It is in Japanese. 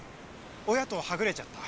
おやとはぐれちゃった？